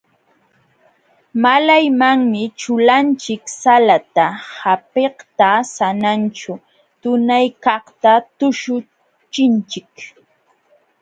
Malaymanmi ćhulanchik salata hapiqta sananćhu tunaykaqta tuśhuchinchik.